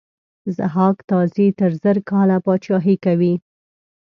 ضحاک تازي تر زر کاله پاچهي کوي.